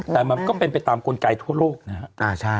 แต่มันก็เป็นไปตามกลไกทั่วโลกนะครับ